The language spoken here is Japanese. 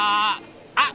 あっ！